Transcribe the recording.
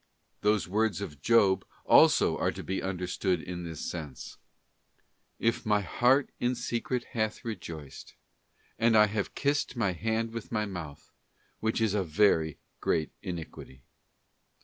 Those words of Job also are to be understood in this sense : nas as, MY heart in secret hath rejoiced, and I have kissed my hand with my mouth, which is a very great iniquity.